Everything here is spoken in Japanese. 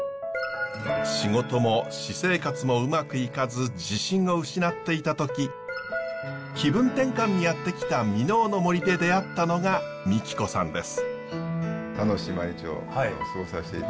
仕事も私生活もうまくいかず自信を失っていた時気分転換にやって来た箕面の森で出会ったのが美貴子さんです。